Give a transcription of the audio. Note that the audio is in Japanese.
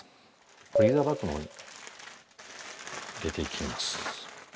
フリーザーバッグの方に入れていきます。